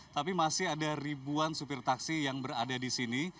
tapi masih ada ribuan supir taksi yang berada di sini